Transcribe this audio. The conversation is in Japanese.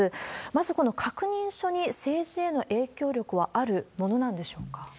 まず、この確認書に政治への影響力はあるものなんでしょうか？